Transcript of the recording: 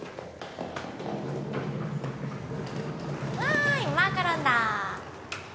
わいマカロンだ。